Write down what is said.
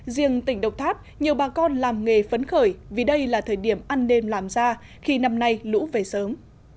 riêng tỉnh độc tháp nhiều bà con làm nghề phấn khởi vì đây là thời điểm ăn đêm làm ra khi năm nay lũ về sớm